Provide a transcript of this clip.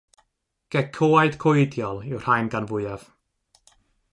Gecoaid coediol yw'r rhain gan fwyaf.